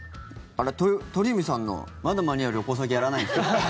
鳥海さんのまだ間に合う旅行先やらないんですか？